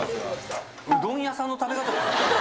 うどん屋さんの食べ方ですね。